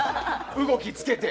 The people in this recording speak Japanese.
動きつけて。